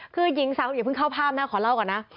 คือหญิงสาวอย่าเพิ่งเข้าภาพนะขอเล่าก่อนนะ